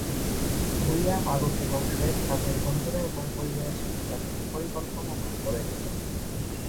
ভূঁইয়া, মারুফ এবং শোয়েব তাদের বন্ধুরা এবং পরিবারের সাথে তাদের পরিকল্পনা ভাগ করে নিল।